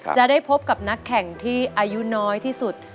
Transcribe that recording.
จะได้พบกับนักแข่งที่อายุน้อยที่สุด